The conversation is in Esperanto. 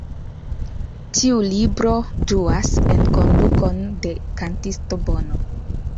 Tiu libro ĝuas enkondukon de kantisto Bono.